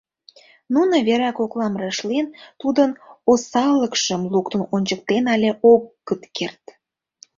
Нуно вера коклам рашлен, тудын осаллыкшым луктын ончыктен але огыт керт.